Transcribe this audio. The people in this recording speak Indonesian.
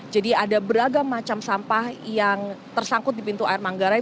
jadi ada beragam macam sampah yang tersangkut di pintu air manggarai